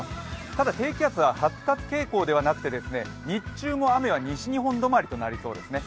ただ、低気圧は発達傾向ではなくて日中も雨は西日本止まりとなりそうですね。